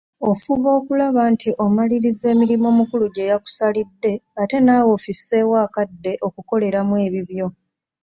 Ofuba okulaba nti omaliririza emirimu omukulu gye yakusalidde ate naawe ofisseewo akadde okukoleramu ebibyo.